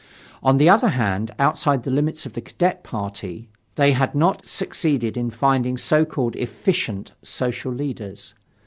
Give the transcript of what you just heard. On the other hand, outside the limits of the Cadet Party, they had not succeeded in finding so called "efficient" social leaders.